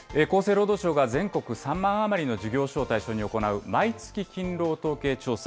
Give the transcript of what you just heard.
厚生労働省が全国３万余りの事業所を対象に行う毎月勤労統計調査。